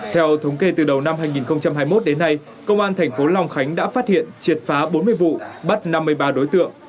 theo thống kê từ đầu năm hai nghìn hai mươi một đến nay công an thành phố long khánh đã phát hiện triệt phá bốn mươi vụ bắt năm mươi ba đối tượng